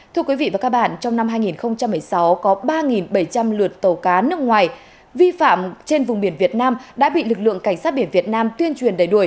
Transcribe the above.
thưa quý vị và các bạn trong năm hai nghìn một mươi sáu có ba bảy trăm linh lượt tàu cá nước ngoài vi phạm trên vùng biển việt nam đã bị lực lượng cảnh sát biển việt nam tuyên truyền đẩy đuổi